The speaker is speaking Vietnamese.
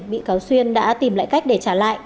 bị cáo xuyên đã tìm lại cách để trả lại